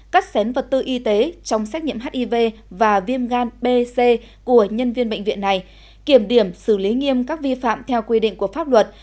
cắt xén vật tư y tế trong xét nghiệm hiv và viêm gan b c của nhân viên bệnh viện này kiểm điểm xử lý nghiêm các vi phạm theo quy định của pháp luật